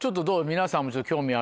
皆さんも。